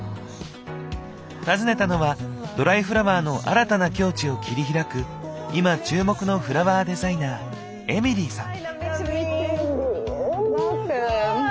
訪ねたのはドライフラワーの新たな境地を切り開く今注目のフラワーデザイナーエミリーさん。